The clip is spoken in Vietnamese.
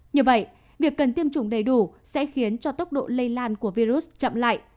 như vậy việc cần tiêm chủng đầy đủ sẽ khiến cho tốc độ lây lan của virus chậm lại